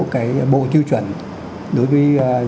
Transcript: cái bộ tiêu chuẩn đối với